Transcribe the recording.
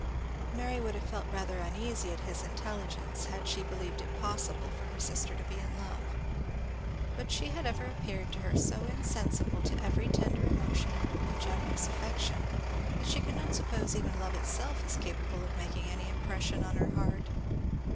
'" Mary would have felt rather uneasy at his intelligence, had she believed it possible for her sister to be in love; but she had ever appeared to her so insensible to every tender emotion and generous affection, that she could not suppose even love itself as capable of making any impression on her heart.